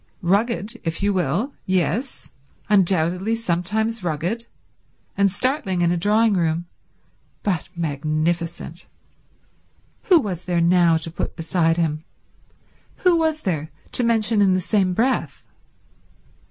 Rugged, if you will—yes, undoubtedly sometimes rugged, and startling in a drawing room, but magnificent. Who was there now to put beside him? Who was there to mention in the same breath?